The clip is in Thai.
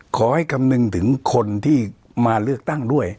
คำนึงถึงคนที่มาเลือกตั้งด้วย